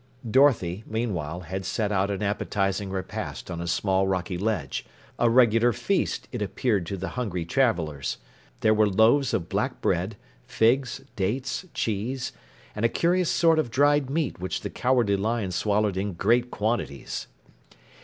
Dorothy, meanwhile, had set out an appetizing repast on a small, rocky ledge a regular feast, it appeared to the hungry travelers. There were loaves of black bread, figs, dates, cheese, and a curious sort of dried meat which the Cowardly Lion swallowed in great quantities.